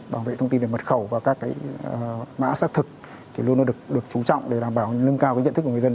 bảo vệ thông tin về mật khẩu và các mã xác thực luôn được chú trọng để đảm bảo nâng cao nhận thức của người dân